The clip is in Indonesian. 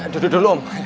duduk dulu om